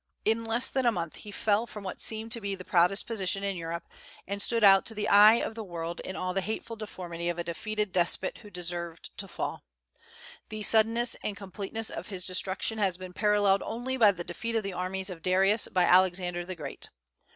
In less than a month he fell from what seemed to be the proudest position in Europe, and stood out to the eye of the world in all the hateful deformity of a defeated despot who deserved to fall. The suddenness and completeness of his destruction has been paralleled only by the defeat of the armies of Darius by Alexander the Great.